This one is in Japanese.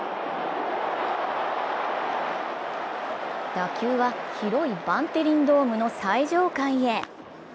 打球は広いバンテリンドームの最上階へ。